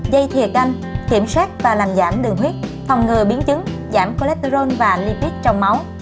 dây thiệt canh kiểm soát và làm giảm đường huyết thòng ngừa biến chứng giảm cholesterol và lipid trong máu